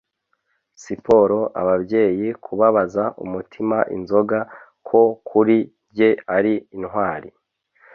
siporo, ababyeyi, kubabaza umutima, inzoga; ko kuri njye ari intwari